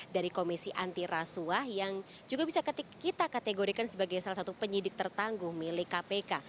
dari komisi antirasuah yang juga bisa kita kategorikan sebagai salah satu penyidik tertangguh milik kpk